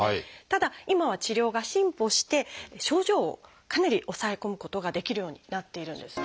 ただ今は治療が進歩して症状をかなり抑え込むことができるようになっているんです。